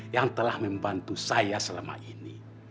yang telah membantu saya selama ini